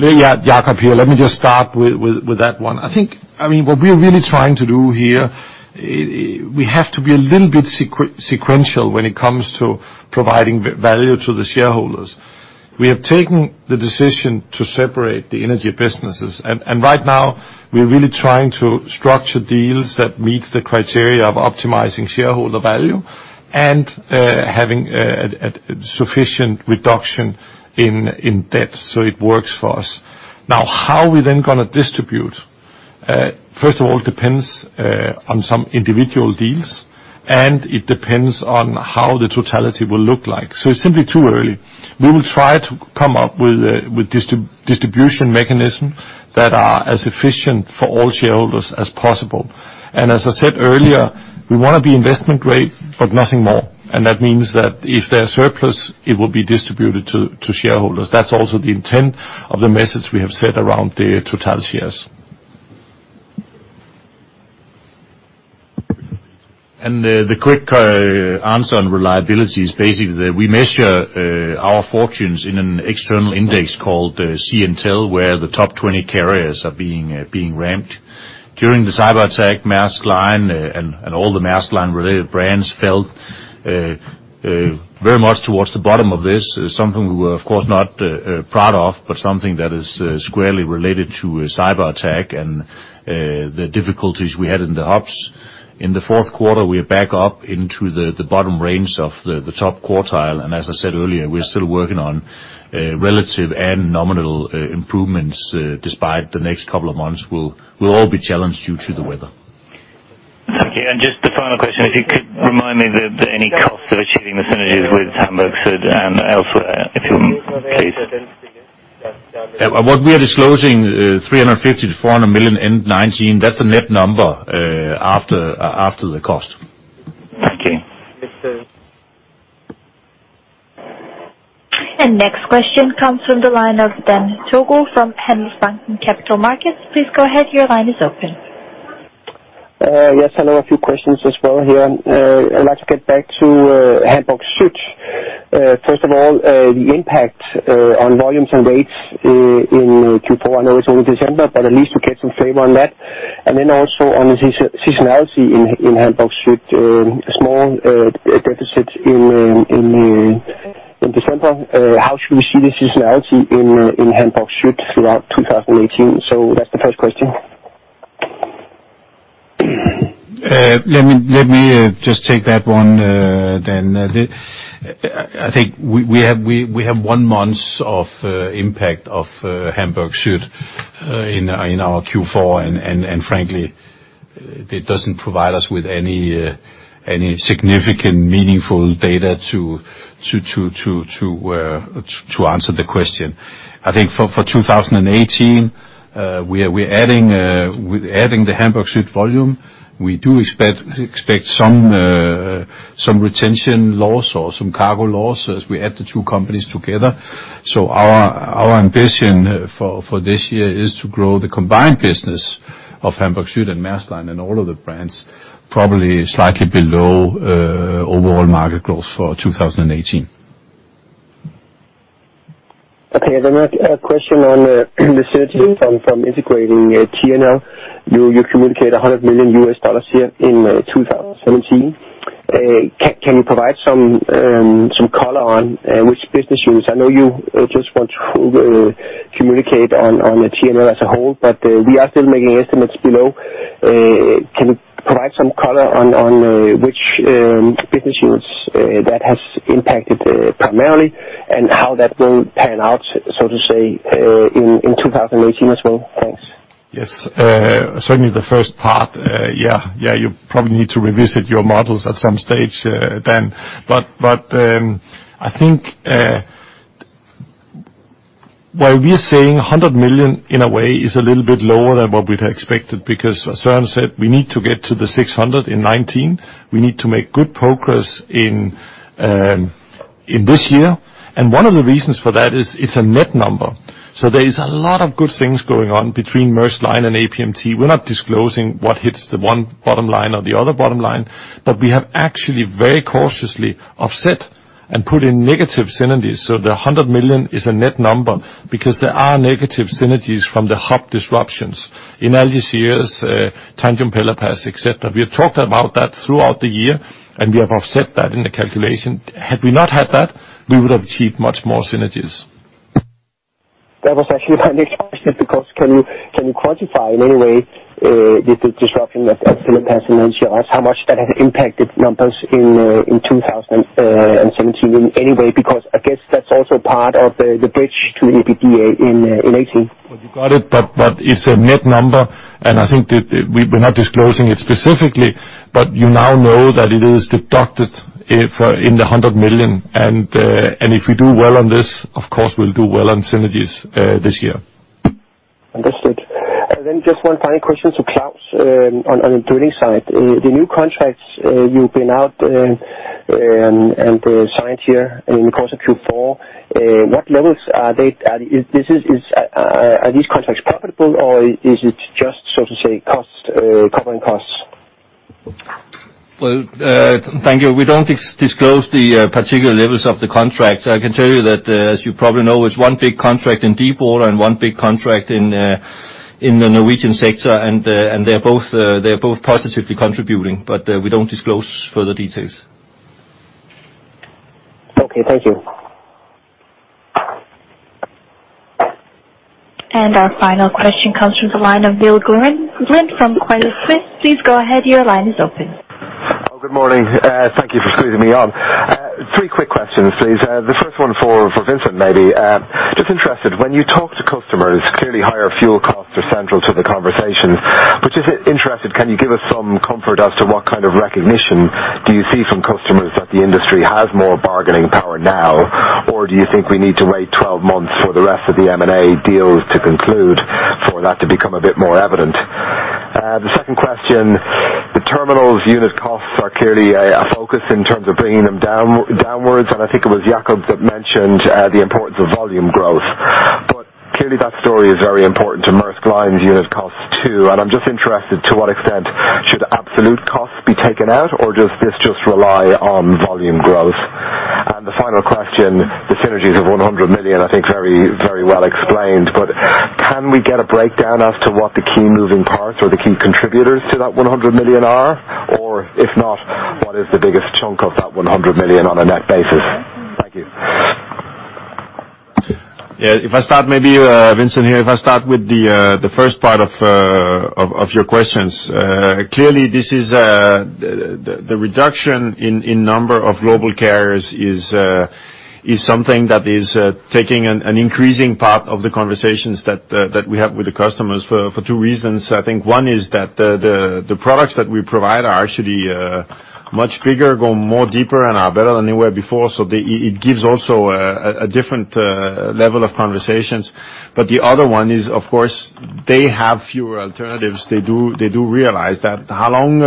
Yeah, Jakob here. Let me just start with that one. I mean, what we're really trying to do here, we have to be a little bit sequential when it comes to providing value to the shareholders. We have taken the decision to separate the energy businesses. Right now, we're really trying to structure deals that meets the criteria of optimizing shareholder value and having a sufficient reduction in debt so it works for us. Now, how we then gonna distribute first of all depends on some individual deals, and it depends on how the totality will look like. It's simply too early. We will try to come up with distribution mechanism that are as efficient for all shareholders as possible. As I said earlier, we wanna be investment grade, but nothing more. That means that if there are surplus, it will be distributed to shareholders. That's also the intent of the message we have set around the Total shares. The quick answer on reliability is basically that we measure our fortunes in an external index called Sea-Intelligence, where the top 20 carriers are being ranked. During the cyber attack, Maersk Line and all the Maersk Line related brands fell very much towards the bottom of this. It's something we were of course not proud of, but something that is squarely related to a cyber attack and the difficulties we had in the hubs. In the fourth quarter, we are back up into the bottom range of the top quartile. As I said earlier, we're still working on relative and nominal improvements despite the next couple of months will all be challenged due to the weather. Thank you. Just the final question, if you could remind me the any cost of achieving the synergies with Hamburg Süd and elsewhere, if you please? What we are disclosing, $350 million-$400 million in 2019, that's the net number after the cost. Okay. Next question comes from the line of Dan Togo from Handelsbanken Capital Markets. Please go ahead, your line is open. Yes, hello, a few questions as well here. I'd like to get back to Hamburg Süd. First of all, the impact on volumes and rates in Q4. I know it's only December, but at least to get some flavor on that. Then also on the seasonality in Hamburg Süd, a small deficit in December. How should we see the seasonality in Hamburg Süd throughout 2018? That's the first question. Let me just take that one, then. I think we have one month of impact of Hamburg Süd in our Q4. Frankly, it doesn't provide us with any significant meaningful data to answer the question. I think for 2018, we're adding with adding the Hamburg Süd volume, we do expect some retention loss or some cargo loss as we add the two companies together. Our ambition for this year is to grow the combined business of Hamburg Süd and Maersk Line and all of the brands, probably slightly below overall market growth for 2018. Okay. A question on the synergies from integrating TML. You communicate $100 million here in 2017. Can you provide some color on which business units? I know you just want to communicate on TML as a whole, but we are still making estimates below. Can you provide some color on which business units that has impacted primarily and how that will pan out, so to say, in 2018 as well? Thanks. Yes. Certainly the first part, you probably need to revisit your models at some stage, then. I think where we're saying $100 million in a way is a little bit lower than what we'd have expected, because as Søren said, we need to get to the $600 million in 2019. We need to make good progress in this year. One of the reasons for that is it's a net number. There is a lot of good things going on between Maersk Line and APMT. We're not disclosing what hits the one bottom line or the other bottom line, but we have actually very cautiously offset and put in negative synergies. The $100 million is a net number because there are negative synergies from the hub disruptions in Algeciras, Tanjung Pelepas, et cetera. We have talked about that throughout the year, and we have offset that in the calculation. Had we not had that, we would have achieved much more synergies. That was actually my next question, because can you quantify in any way the disruption at Pelepas and Algeciras, how much that has impacted numbers in 2017 in any way? Because I guess that's also part of the bridge to EBITDA in 2018. You got it, but it's a net number, and I think that we're not disclosing it specifically, but you now know that it is deducted in the $100 million. If we do well on this, of course we'll do well on synergies, this year. Understood. Then just one final question to Claus on the drilling side. The new contracts you've been out and signed here in the course of Q4, what levels are they at? Are these contracts profitable or is it just so to say cost covering costs? Well, thank you. We don't disclose the particular levels of the contracts. I can tell you that, as you probably know, it's one big contract in deep water and one big contract in the Norwegian sector. They're both positively contributing, but we don't disclose further details. Okay, thank you. Our final question comes from the line of Neil Glynn from Credit Suisse. Please go ahead, your line is open. Good morning. Thank you for squeezing me on. 3 quick questions, please. The first one for Vincent Clerc, maybe. Just interested, when you talk to customers, clearly higher fuel costs are central to the conversation. Just interested, can you give us some comfort as to what kind of recognition do you see from customers that the industry has more bargaining power now? Or do you think we need to wait 12 months for the rest of the M&A deals to conclude for that to become a bit more evident? The second question, the terminals unit costs are clearly a focus in terms of bringing them down, downwards. I think it was Jakob Stausholm that mentioned the importance of volume growth. Clearly that story is very important to Maersk Line's unit costs too. I'm just interested to what extent absolute costs can be taken out, or does this just rely on volume growth? The final question, the synergies of $100 million, I think very, very well explained. Can we get a breakdown as to what the key moving parts or the key contributors to that $100 million are? Or if not, what is the biggest chunk of that $100 million on a net basis? Thank you. Yeah, if I start, maybe, Vincent Clerc here. If I start with the first part of your questions. Clearly, this is the reduction in number of global carriers is something that is taking an increasing part of the conversations that we have with the customers for two reasons. I think one is that the products that we provide are actually much bigger, go more deeper, and are better than they were before. It gives also a different level of conversations. The other one is, of course, they have fewer alternatives. They do realize that how long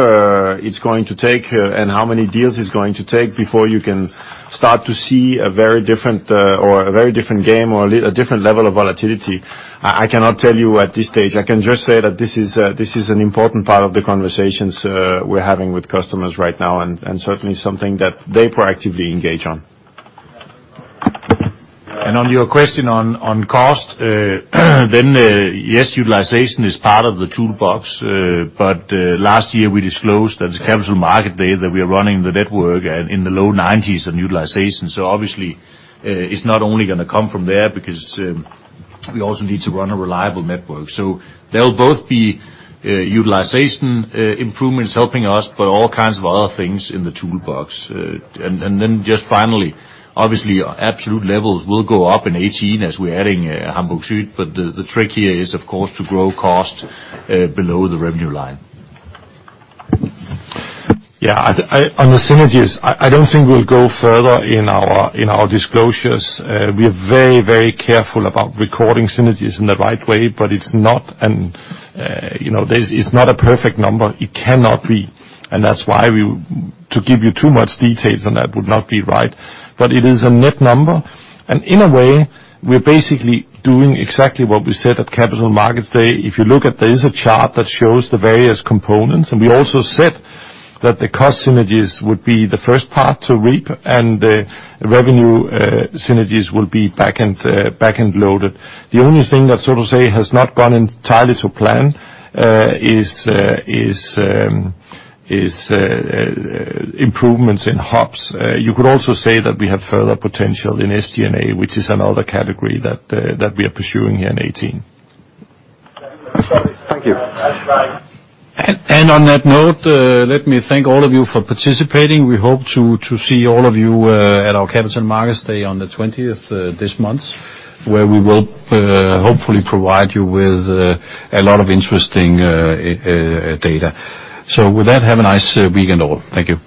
it's going to take and how many deals it's going to take before you can start to see a very different game or a different level of volatility. I cannot tell you at this stage. I can just say that this is an important part of the conversations we're having with customers right now and certainly something that they proactively engage on. On your question on cost, yes, utilization is part of the toolbox. Last year we disclosed at the Capital Markets Day that we are running the network in the low 90s% on utilization. Obviously, it's not only gonna come from there because we also need to run a reliable network. There'll both be utilization improvements helping us, but all kinds of other things in the toolbox. Just finally, obviously, absolute levels will go up in 2018 as we're adding Hamburg Süd. The trick here is, of course, to grow cost below the revenue line. Yeah. On the synergies, I don't think we'll go further in our disclosures. We are very careful about recording synergies in the right way, but it's not, and you know, this is not a perfect number. It cannot be, and that's why to give you too much details on that would not be right. It is a net number. In a way, we're basically doing exactly what we said at Capital Markets Day. If you look at, there is a chart that shows the various components. We also said that the cost synergies would be the first part to reap, and the revenue synergies will be back-loaded. The only thing that, so to say, has not gone entirely to plan is improvements in hubs. You could also say that we have further potential in SG&A, which is another category that we are pursuing here in 2018. Thank you. On that note, let me thank all of you for participating. We hope to see all of you at our Capital Markets Day on the twentieth this month, where we will hopefully provide you with a lot of interesting data. With that, have a nice weekend all. Thank you.